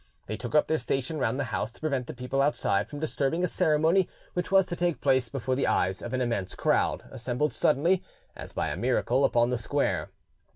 They took up their station round the house to prevent the people outside from disturbing a ceremony which was to take place before the eyes of an immense crowd, assembled suddenly, as by a miracle, upon the square.